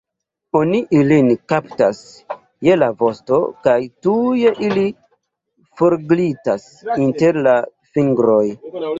Oni ilin kaptas je la vosto, kaj tuj ili forglitas inter la fingroj!